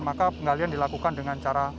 maka penggalian dilakukan dengan cara